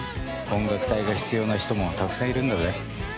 音楽隊が必要な人もたくさんいるんだぜ。